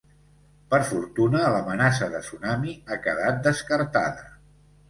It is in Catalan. Per fortuna, l'amenaça de tsunami ha quedat descartada.